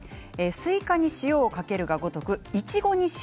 スイカに塩をかけるがごとくいちごに塩。